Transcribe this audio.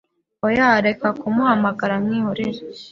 Oya reka kumuhamagara mwihorere